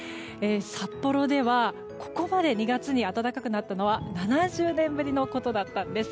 札幌ではここまで２月に暖かくなったのは７０年ぶりのことだったんです。